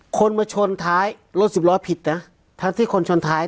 คนมาชนท้ายรถสิบล้อผิดนะทั้งที่คนชนท้าย